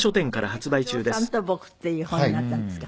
それで『静夫さんと僕』っていう本になったんですか。